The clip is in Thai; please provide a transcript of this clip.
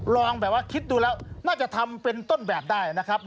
ลองแบบว่าคิดดูแล้วน่าจะทำเป็นต้นแบบได้นะครับ